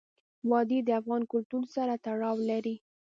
وادي د افغان کلتور سره تړاو لري.